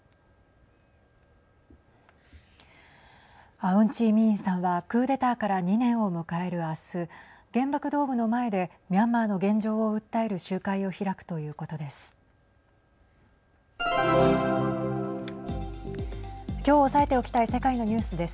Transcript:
アウンチーミィンさんはクーデターから２年を迎える明日原爆ドームの前でミャンマーの現状を訴える集会を開くということです。